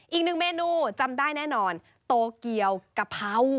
อีกหนึ่งเมนูจำได้แน่นอนโตเกียวกะเพรา